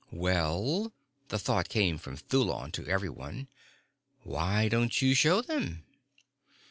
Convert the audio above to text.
"Well," the thought came from Thulon to everyone. "Why don't you show them?"